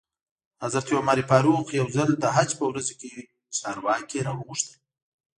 حضرت عمر فاروق یو ځل د حج په ورځو کې چارواکي را وغوښتل.